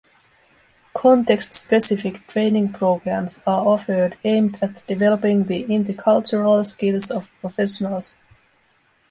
Context-specific training programmes are offered aimed at developing the intercultural skills of professionals.